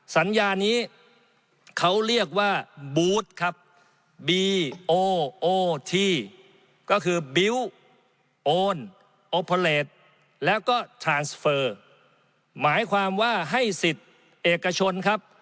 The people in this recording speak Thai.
สัญญานี้เขาเรียกว่าครับก็คือแล้วก็หมายความว่าให้สิทธิ์เอกชนครับ